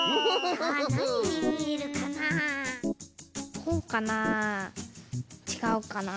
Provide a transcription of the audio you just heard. こうかなあちがうかなあ。